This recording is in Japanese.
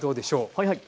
はいはい。